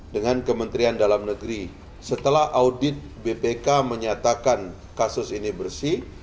dengan kementerian dalam negeri setelah audit bpk menyatakan kasus ini bersih